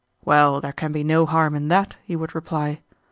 "Well, there can be no harm in that," he would reply.